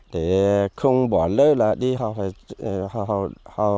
để không bỏ lỡ là đi học phải đi học